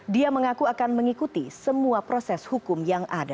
dia mengaku akan mengikuti semua proses hukum yang ada